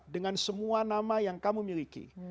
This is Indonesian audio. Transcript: dengan semua nama yang kamu miliki